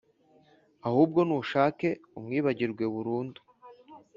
ahubwo nushake umwibagirwe burundu